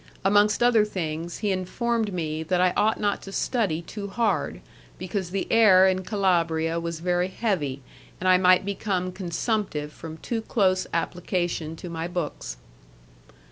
Amongst other things, he informed me that I ought not to study too hard, because the air in Calabria was very heavy, and I might become consumptive from too close application to my books.